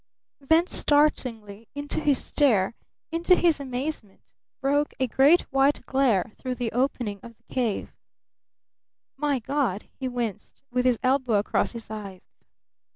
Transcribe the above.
Then startlingly into his stare, into his amazement, broke a great white glare through the opening of the cave. "My God!" he winced, with his elbow across his eyes.